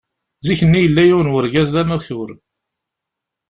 Zik-nni yella yiwen n urgaz d amakur.